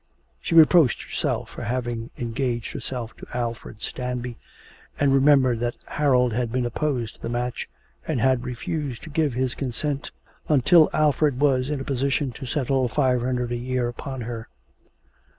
She reproached herself for having engaged herself to Alfred Stanby, and remembered that Harold had been opposed to the match, and had refused to give his consent until Alfred was in a position to settle five hundred a year upon her.